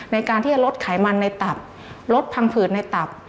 ในการที่จะลดไขมันในตับลดพังผืดในตับ